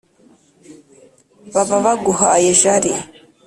baba baguhaye jali